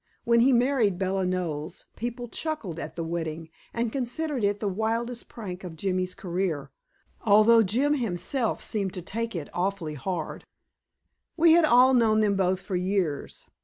When he married Bella Knowles, people chuckled at the wedding, and considered it the wildest prank of Jimmy's career, although Jim himself seemed to take it awfully hard. We had all known them both for years.